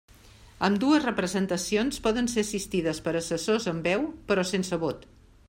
Ambdues representacions poden ser assistides per assessors amb veu però sense vot.